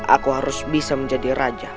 aku harus bisa menjadi raja